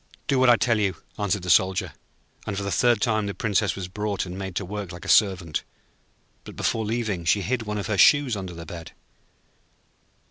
'Do what I tell you,' answered the Soldier; and for the third time the Princess was brought and made to work like a servant. But before leaving she hid one of her shoes under the bed.